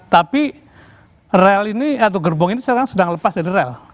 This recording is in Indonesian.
tapi rel ini atau gerbong ini sekarang sedang lepas dari rel